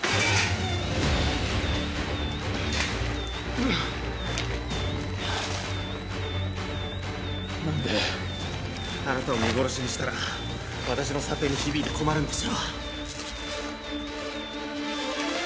ううっ何であなたを見殺しにしたら私の査定に響いて困るんですよ